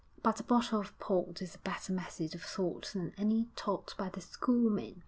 'But a bottle of port is a better method of thought than any taught by the school men.